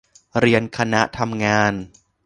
เรียนคณะทำงาน